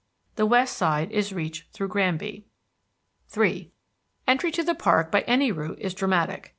The west side is reached through Granby. III Entry to the park by any route is dramatic.